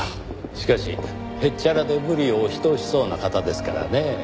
しかしへっちゃらで無理を押し通しそうな方ですからねぇ。